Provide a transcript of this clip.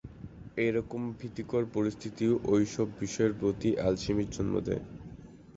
এরকম ভীতিকর পরিস্থিতিও ঐসব বিষয়ের প্রতি আলসেমির জন্ম দেয়।